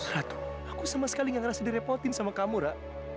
hatu aku sama sekali gak ngerasa direpotin sama kamu rak